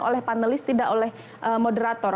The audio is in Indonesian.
oleh panelis tidak oleh moderator